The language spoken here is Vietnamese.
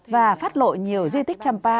và phát lộ nhiều di tích trăm pa